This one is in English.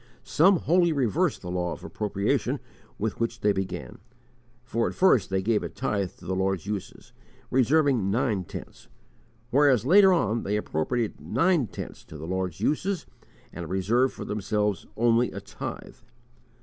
Some wholly reversed the law of appropriation with which they began; for at first they gave a tithe to the Lord's uses, reserving nine tenths, whereas later on they appropriated nine tenths to the Lord's uses, and reserved for themselves only a tithe.